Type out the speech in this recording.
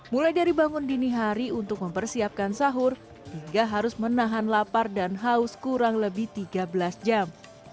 mulai dari bangun dini hari untuk mempersiapkan sahur hingga harus menahan lapar dan haus kurang lebih tiga belas jam